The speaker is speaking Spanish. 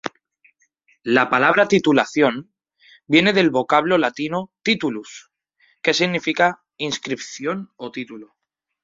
La palabra "titulación" viene del vocablo latino "titulus", que significa inscripción o título.